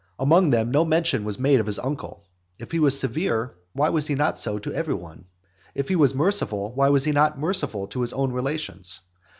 Among them no mention was made of his uncle. If he was severe, why was he not so to every one? If he was merciful, why was he not merciful to his own relations?